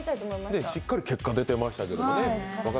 しっかり結果、出てましたけどもね。